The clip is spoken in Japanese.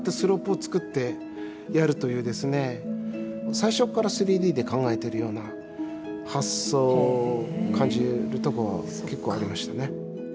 最初から３Ｄで考えてるような発想を感じるとこ結構ありましたね。